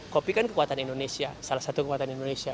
kopi kan kekuatan indonesia salah satu kekuatan indonesia